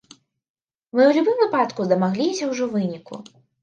Мы ў любым выпадку дамагліся ўжо выніку.